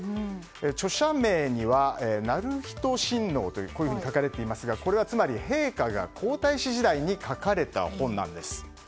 著者名には、徳仁親王と書かれていますがこれはつまり陛下が皇太子時代に書かれた本なんです。